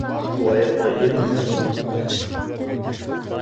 — Лайыҡлы ирме һуң?